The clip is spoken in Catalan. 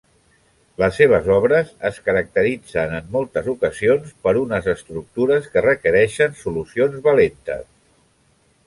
Les seves obres es caracteritzen en moltes ocasions per unes estructures que requereixen solucions valentes.